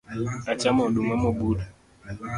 Achamo oduma mobul?